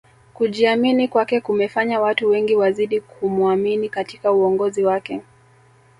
kujiamini kwake kumefanya watu wengi wazidi kumuamini katika uongozi wake